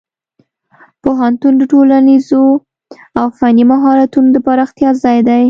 پوهنتون د ټولنیزو او فني مهارتونو د پراختیا ځای دی.